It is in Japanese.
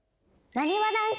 なにわ男子！